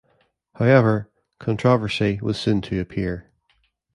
However, controversy was soon to appear.